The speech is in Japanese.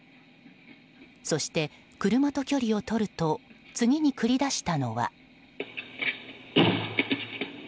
そして、車と距離を取ると次に繰り出したのは。